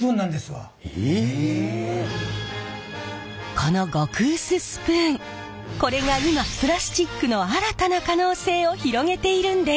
この極薄スプーンこれが今プラスチックの新たな可能性を広げているんです！